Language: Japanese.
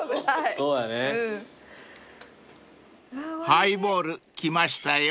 ［ハイボール来ましたよ］